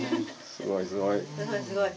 すごいすごい。